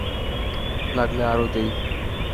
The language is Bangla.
লাগলে আরো দেই।